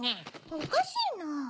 おかしいな。